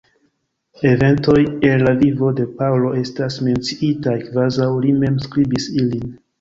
Eventoj el la vivo de Paŭlo estas menciitaj kvazaŭ li mem skribis ilin.